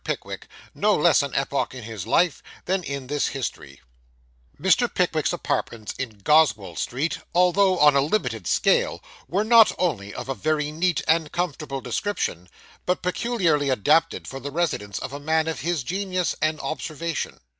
PICKWICK; NO LESS AN EPOCH IN HIS LIFE, THAN IN THIS HISTORY Mr. Pickwick's apartments in Goswell Street, although on a limited scale, were not only of a very neat and comfortable description, but peculiarly adapted for the residence of a man of his genius and observation.